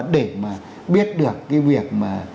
để mà biết được cái việc